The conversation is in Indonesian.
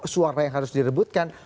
suara yang harus direbutkan